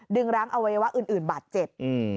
ร้างอวัยวะอื่นบาดเจ็บ